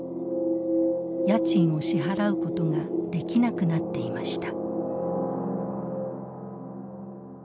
家賃を支払うことができなくなっていました。